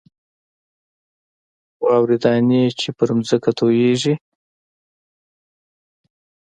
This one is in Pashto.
واورې دانې چې پر ځمکه تویېږي.